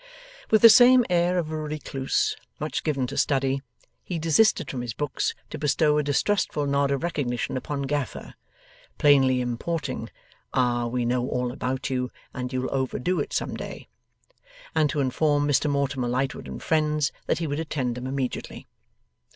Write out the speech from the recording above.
With the same air of a recluse much given to study, he desisted from his books to bestow a distrustful nod of recognition upon Gaffer, plainly importing, 'Ah! we know all about YOU, and you'll overdo it some day;' and to inform Mr Mortimer Lightwood and friends, that he would attend them immediately.